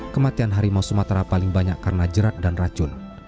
kematian harimau sumatera paling banyak karena jerat dan racun